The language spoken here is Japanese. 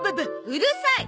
うるさい！